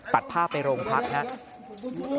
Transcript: ปัดผ้าไปโรงพักภูเขียว